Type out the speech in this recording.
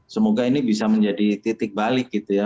semoga ini bisa menjadi titik balik gitu ya